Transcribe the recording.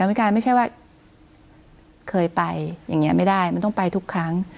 มันกลายไม่ใช่ว่าเคยไปอย่างนี้ไม่ได้มันต้องไปทุกครั้ง